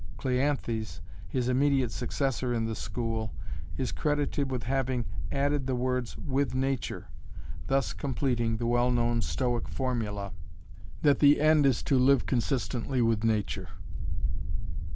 Cleanthes, his immediate successor in the school, is credited with having added the words 'with nature,' thus completing the well known Stoic formula that the end is 'to live consistently with nature.'